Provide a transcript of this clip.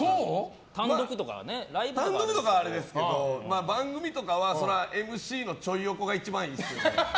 単独とかはあれですが番組とかはＭＣのちょい横が一番いいですよね。